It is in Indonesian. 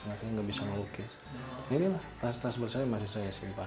makanya nggak bisa melukis ini lah tas tas bersama saya simpan